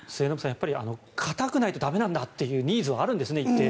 やはり固くないと駄目なんだというニーズはあるんですね、一定数。